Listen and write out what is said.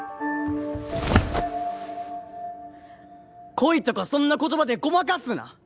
恋とかそんな言葉でごまかすな！